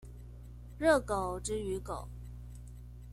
熱狗之於狗